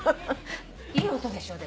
いい音でしょ？